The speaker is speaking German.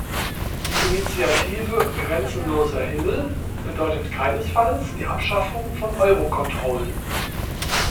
Die Initiative "Grenzenloser Himmel " bedeutet keinesfalls die Abschaffung von Eurocontrol.